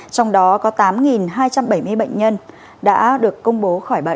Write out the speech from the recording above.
trong đó có tám hai trăm bảy mươi bệnh nhân đã được công bố